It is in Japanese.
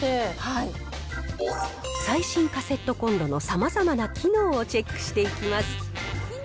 最新カセットコンロのさまざまな機能をチェックしていきます。